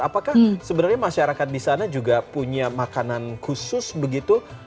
apakah sebenarnya masyarakat di sana juga punya makanan khusus begitu